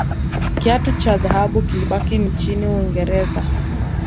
kiatu cha dhahabu kilibaki nchini uingereza